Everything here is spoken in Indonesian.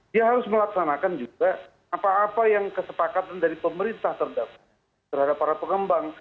dia harus melaksanakan juga apa apa yang kesepakatan dari pemerintah terhadap para pengembang